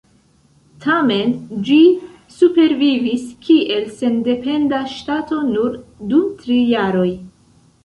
Tamen ĝi supervivis kiel sendependa ŝtato nur dum tri jaroj.